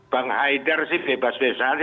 bang haidar sih bebas bebas